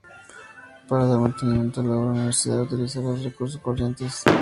Para dar mantenimiento a la obra, la Universidad utilizará sus recursos corrientes.